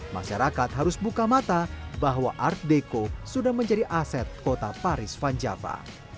masyarakat harus buka mata bahwa art deco sudah menjadi aset kota paris van java